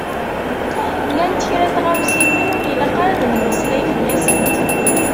Llant kra n tɣawsiwin ur ilaq ara ad nemmeslay fell-asent.